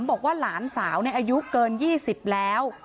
บอกว่าหลานสาวอายุเกิน๒๐แล้ว